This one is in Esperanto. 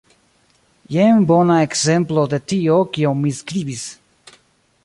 Jen bona ekzemplo de tio, kion mi skribis.